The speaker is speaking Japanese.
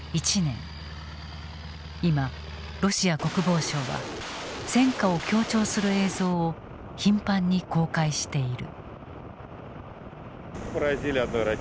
今ロシア国防省は戦果を強調する映像を頻繁に公開している。